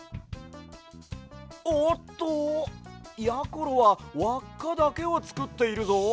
おっとやころはわっかだけをつくっているぞ！